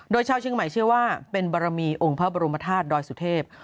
โดยชาวช่างกรมัยเชื่อว่าเป็นบรมีองค์พระบรมฐาสโดยสุเทพฯ